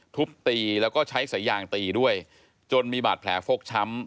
ทุบตีแล้วก็ใช้สายยางตีด้วยจนมีบาดแผลฟกช้ำ